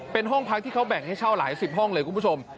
เป็นห้องพักที่เขาแบ่งให้เช่าหลายสิบห้องเลยคุณผู้ชม